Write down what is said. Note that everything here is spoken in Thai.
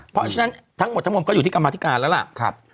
เพราะฉะนั้นทั้งหมดทั้งมวลก็อยู่ที่กรรมาธิการแล้วล่ะ